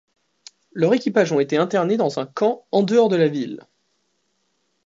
Leurs équipages ont été internés dans un camp en dehors de la ville.